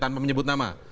tanpa menyebut nama